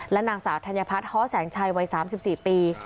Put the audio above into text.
นางสาวธัญพัฒนฮ้อแสงชัยวัย๓๔ปี